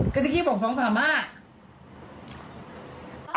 ก็จะกิ๊บห้อง๒๓มา